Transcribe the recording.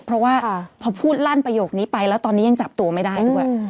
เพราะว่าพอพูดลั่นประโยคนี้ไปแล้วตอนนี้ยังจับตัวไม่ได้ด้วย